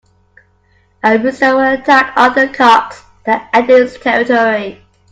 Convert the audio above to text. A rooster will attack other cocks that enter its territory.